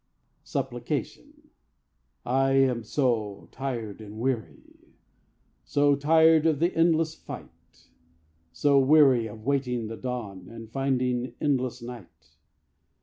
SUPPLICATION I am so tired and weary, So tired of the endless fight, So weary of waiting the dawn And finding endless night.